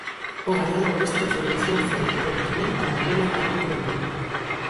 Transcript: O gañador desta terceira edición foi Abel Tomé coa novela A noite do lobo.